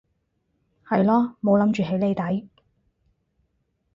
係囉冇諗住起你底